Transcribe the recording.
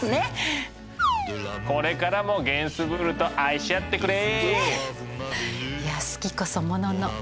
これからもゲンスブールと愛し合ってくれ。